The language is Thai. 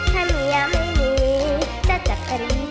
ถ้าเมียไม่มีจะจัดตรีกะ